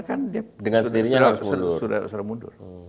kan dia sudah mundur